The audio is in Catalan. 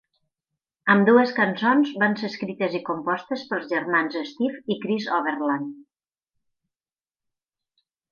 Ambdues cançons van ser escrites i compostes pels germans Steve i Chris Overland.